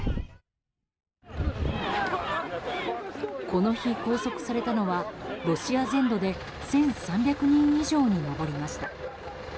この日、拘束されたのはロシア全土で１３００人以上に上りました。